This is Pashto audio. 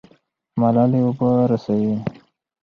ملالۍ اوبه رسوي.